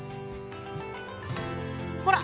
ほら